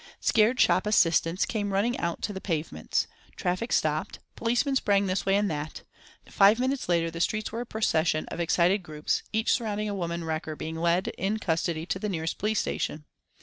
Scared shop assistants came running out to the pavements; traffic stopped; policemen sprang this way and that; five minutes later the streets were a procession of excited groups, each surrounding a woman wrecker being led in custody to the nearest police station.